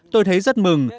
tôi thấy rất mừng